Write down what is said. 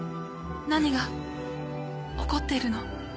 何が起こっているの？